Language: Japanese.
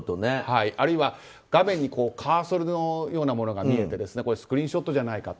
あるいは画面にカーソルのようなものが見えてスクリーンショットじゃないかと。